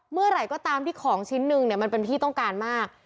เมื่อไหร่ก็ตามที่ของชิ้นหนึ่งมันเป็นที่ต้องการมาก